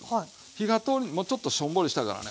火が通りもうちょっとしょんぼりしたからね